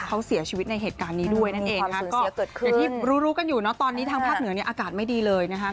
เขาเสียชีวิตในเหตุการณ์นี้ด้วยนั่นเองนะคะก็อย่างที่รู้รู้กันอยู่เนอะตอนนี้ทางภาคเหนือเนี่ยอากาศไม่ดีเลยนะคะ